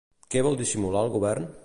Què vol dissimular el govern?